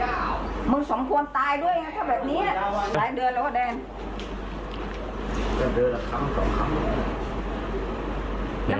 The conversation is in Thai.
มายิ่งในคราม